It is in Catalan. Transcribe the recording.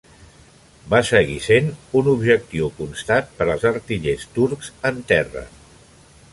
Va seguir sent un objectiu constat per als artillers turcs en terra.